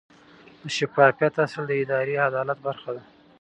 د شفافیت اصل د اداري عدالت برخه ده.